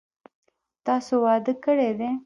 تاسو واده کړی دی؟